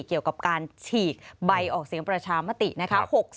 เกี่ยวกับการฉีกใบออกเสียงประชามตินะคะ